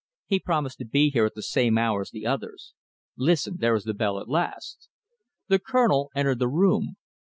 He promised to be here at the same hour as the others. Listen! There is the bell at last." The Colonel entered the room.